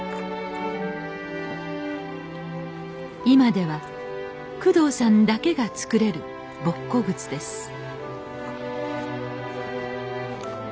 今では工藤さんだけが作れるボッコ靴です